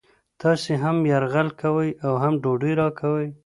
تاسې هم یرغل کوئ او هم ډوډۍ راکوئ